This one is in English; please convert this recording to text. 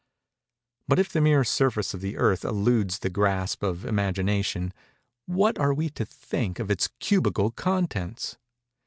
But if the mere surface of the Earth eludes the grasp of the imagination, what are we to think of its cubical contents?